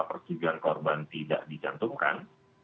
persetujuan korban tidak dikantumkan